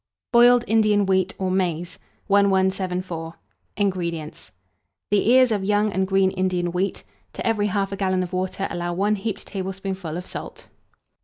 BOILED INDIAN WHEAT or MAIZE. 1174. INGREDIENTS. The ears of young and green Indian wheat; to every 1/2 gallon of water allow 1 heaped tablespoonful of salt.